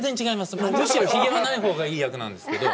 むしろヒゲはない方がいい役なんですけど。